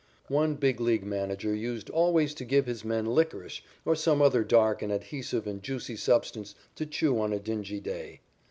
One Big League manager used always to give his men licorice or some other dark and adhesive and juicy substance to chew on a dingy day.